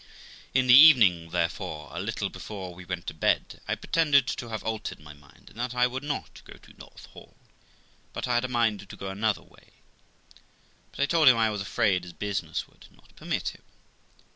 In the evening, therefore, a little before we went to bed, I pretended to have altered my mind, and that I would not go to North Hall, but I had a mind to go another way, but I told him I was afraid his business would not permit him.